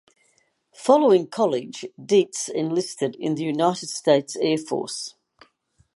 Following college, Deetz enlisted in the United States Air Force.